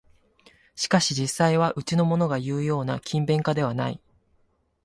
しかし実際はうちのものがいうような勤勉家ではない